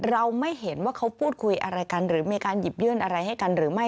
เราไม่เห็นว่าเขาพูดคุยอะไรกันหรือมีการหยิบยื่นอะไรให้กันหรือไม่